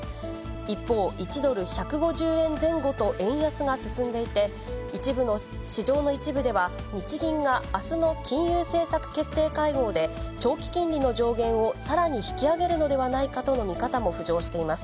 一方、１ドル１５０円前後と円安が進んでいて、市場の一部では、日銀があすの金融政策決定会合で長期金利の上限をさらに引き上げるのではないかとの見方も浮上しています。